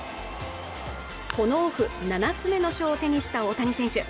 この日７つ目の賞を手にした大谷選手